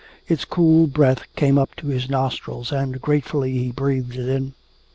Its cool breath came up to his nostrils and gratefully he breathed it in.